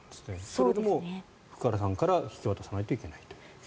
それでも福原さんから引き渡さないといけないと。